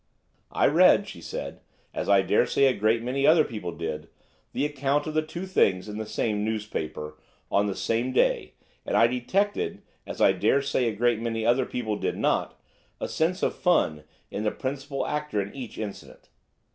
"I read," she said, "as I dare say a great many other people did, the account of the two things in the same newspaper, on the same day, and I detected, as I dare say a great many other people did not, a sense of fun in the principal actor in each incident.